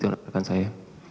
dilanjutkan rekan saya